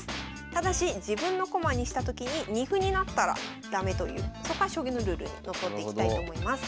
ただし自分の駒にしたときに二歩になったら駄目というそこは将棋のルールにのっとっていきたいと思います。